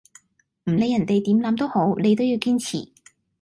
唔理人地點諗都好，你都要堅持